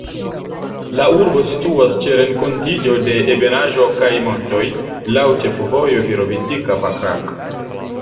La urbo situas ĉe renkontiĝo de ebenaĵo kaj montoj, laŭ ĉefvojo Virovitica-Pakrac.